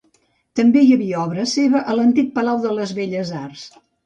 També hi havia obra seva a l'antic Palau de les Belles Arts.